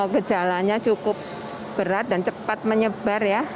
gejalanya cukup berat dan cepat menyebar ya